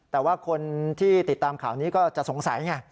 แต่ว่าคนที่ติดตามข่าวนี้ก็จะสงสัยไง